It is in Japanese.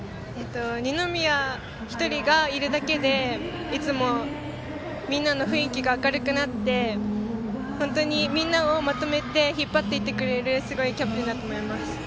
二宮１人がいるだけで、いつもみんなの雰囲気が明るくなって本当にみんなをまとめて引っ張っていってくれるすごいキャプテンだと思います。